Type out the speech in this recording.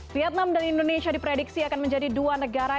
vietnam dan indonesia diprediksi akan menjadi dua negara